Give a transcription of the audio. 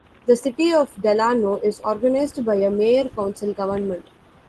The city of Delano is organized by a Mayor-Council government.